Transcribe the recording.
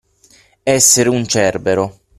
Essere un Cerbero.